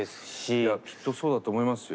きっとそうだと思いますよ。